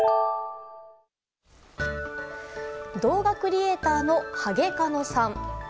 動画クリエーターのハゲカノさん。